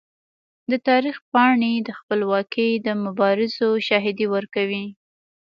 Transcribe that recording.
د تاریخ پاڼې د خپلواکۍ د مبارزو شاهدي ورکوي.